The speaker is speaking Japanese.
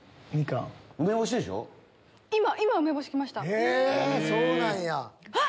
へぇそうなんや！